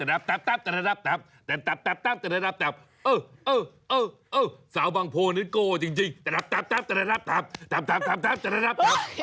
ดับตะราปรั๊บดับตะราปรั๊บ